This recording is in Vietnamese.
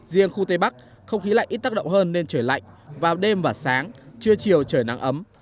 riêng khu tây bắc không khí lạnh ít tác động hơn nên trời lạnh vào đêm và sáng trưa chiều trời nắng ấm